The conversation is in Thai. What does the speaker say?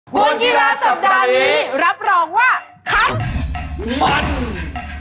กวนกีฬาสัปดาห์นี้รับรองว่า